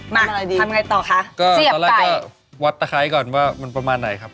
เสียบไก่ก็ตอนแรกวัดตะไคระก่อนว่ามันประมาณไหนครับ